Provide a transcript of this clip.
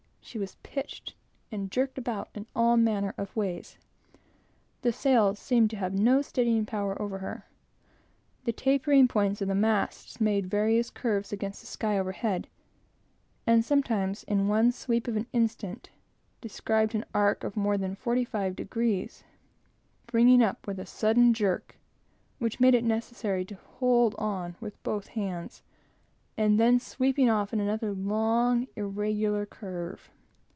She was pitched and jerked about in all manner of ways; the sails seeming to have no steadying power over her. The tapering points of the masts made various curves and angles against the sky overhead, and sometimes, in one sweep of an instant, described an arc of more than forty five degrees, bringing up with a sudden jerk which made it necessary to hold on with both hands, and then sweeping off, in another long, irregular curve.